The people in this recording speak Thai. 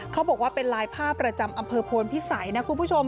เขาบอกว่าเป็นลายผ้าประจำอำเภอโพนพิสัยนะคุณผู้ชม